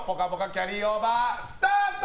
キャリーオーバースタート。